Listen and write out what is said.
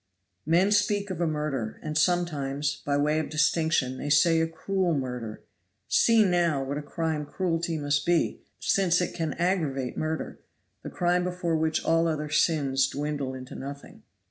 Men speak of a murder and sometimes, by way of distinction, they say 'a cruel murder.' See, now, what a crime cruelty must be, since it can aggravate murder, the crime before which all other sins dwindle into nothing."